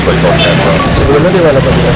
sebelumnya di mana pak